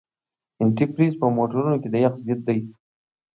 انتي فریز په موټرونو کې د یخ ضد دی.